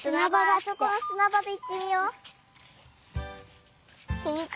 あそこのすなばでいってみよう！っていうか